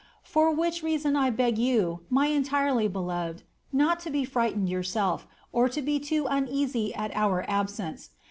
For which reason I beg you, my entirely beloved, not to frighten yourself, or to be too uneasy, at our absence.